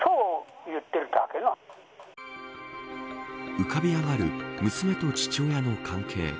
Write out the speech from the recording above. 浮かび上がる娘と父親の関係。